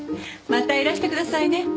またいらしてくださいね。